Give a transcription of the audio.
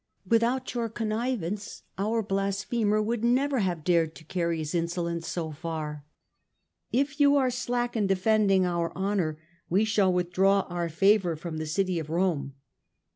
Without your connivance our blasphemer would never have dared to carry his insolence so far. If you are slack in defending our honour we shall withdraw our favour from the city of Rome."